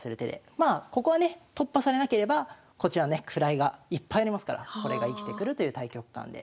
まあここはね突破されなければこっちはね位がいっぱいありますからこれが生きてくるという大局観で。